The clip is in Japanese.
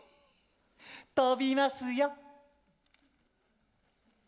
とびますよ。